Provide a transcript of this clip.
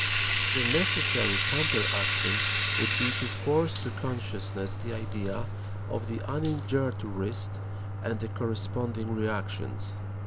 The necessary counter action would be to force to consciousness the idea of the uninjured wrist and the corresponding reactions.